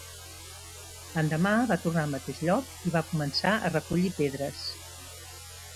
L'endemà va tornar al mateix lloc i va començar a recollir pedres.